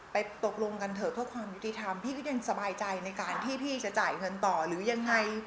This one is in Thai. ตกลงกันเถอะเพื่อความยุติธรรมพี่ก็ยังสบายใจในการที่พี่จะจ่ายเงินต่อหรือยังไง